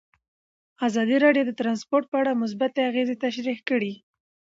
ازادي راډیو د ترانسپورټ په اړه مثبت اغېزې تشریح کړي.